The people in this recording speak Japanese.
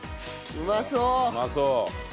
うまそう。